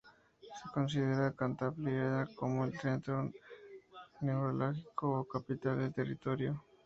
Se considera a Cantalapiedra como el centro neurálgico o capital del territorio.